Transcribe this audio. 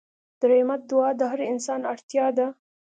د رحمت دعا د هر انسان اړتیا ده.